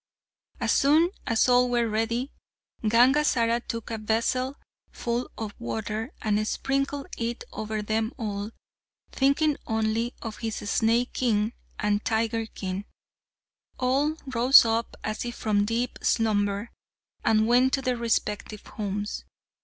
As soon as all were ready, Gangazara took a vessel full of water and sprinkled it over them all, thinking only of his snake king and tiger king. All rose up as if from deep slumber, and went to their respective homes.